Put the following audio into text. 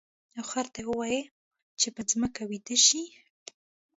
او خر ته ووایه چې په ځمکه ویده شي.